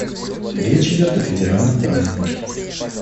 Речь идет о федеральном празднике.